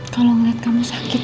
kalau ngeliat kamu sakit